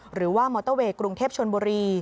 มอเตอร์เวย์กรุงเทพชนบุรี